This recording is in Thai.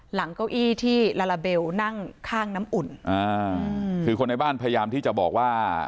เก้าอี้ที่ลาลาเบลนั่งข้างน้ำอุ่นอ่าคือคนในบ้านพยายามที่จะบอกว่า